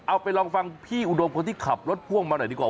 เอาไปลองฟังพี่อุดมคนที่ขับรถพ่วงมาหน่อยดีกว่า